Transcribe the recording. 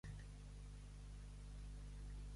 Qui no pot més amb la càrrega, es gita.